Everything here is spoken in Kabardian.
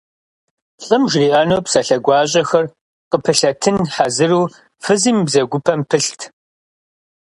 Лӏым жриӀэну псалъэ гуащӀэхэр къыпылъэтын хьэзыру фызым и бзэгупэм пылът.